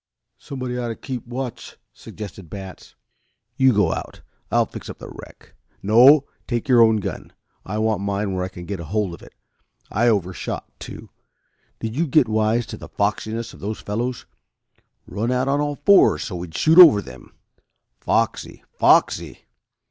"Somebody ought to keep watch," suggested Batts. "You go out. I'll fix up the wreck. No; take your own gun. I want mine where I can get hold of it. I overshot, too. Did you get wise to the foxiness of those fellows? Run out on all fours so we'd shoot over them. Foxy, foxy!